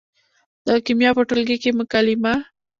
د کیمیا په ټولګي کې مکالمه